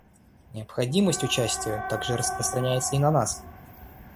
Необходимость участия также распространяется и на нас.